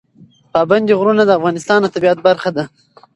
پابندی غرونه د افغانستان د طبیعت برخه ده.